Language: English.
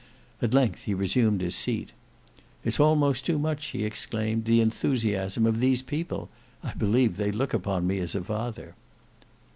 At length he resumed his seat; "It's almost too much." he exclaimed; "the enthusiasm of these people. I believe they look upon me as a father."